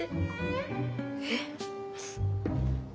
えっ？